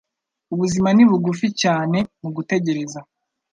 Ubuzima ni bugufi cyane mu gutegereza.